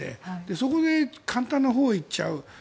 そこで簡単なほうへ行っちゃう。